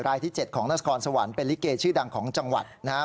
รายที่๗ของนครสวรรค์เป็นลิเกชื่อดังของจังหวัดนะครับ